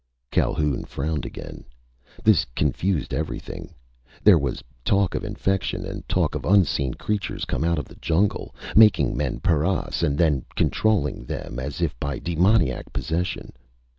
Calhoun frowned again. This confused everything. There was talk of infection, and talk of unseen creatures come out of the jungle, making men paras and then controlling them as if by demoniac possession.